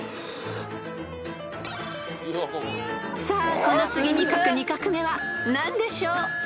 ［さあこの次に書く２画目は何でしょう］